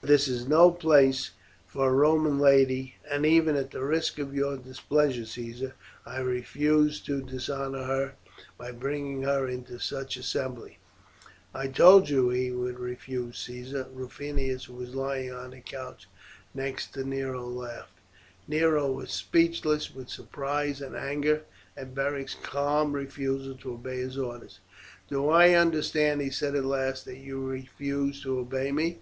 This is no place for a Roman lady; and even at the risk of your displeasure, Caesar, I refuse to dishonour her by bringing her into such an assembly." "I told you he would refuse, Caesar," Rufinus, who was lying on the couch next to Nero, laughed. Nero was speechless with surprise and anger at Beric's calm refusal to obey his orders. "Do I understand," he said at last, "that you refuse to obey me?"